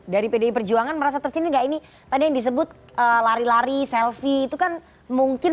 dari pdi perjuangan merasa tersindir gak ini tadi yang disebut lari lari selfie itu kan mungkin